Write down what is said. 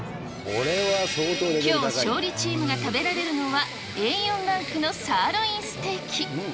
きょう、勝利チームが食べられるのは、Ａ４ランクのサーロインステーキ。